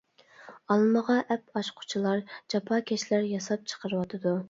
ئالمىغا ئەپ ئاچقۇچىلار جاپاكەشلەر ياساپ چىقىرىۋاتىدۇ.